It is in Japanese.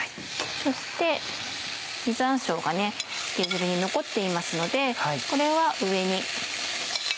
そして実山椒が漬け汁に残っていますのでこれは上に。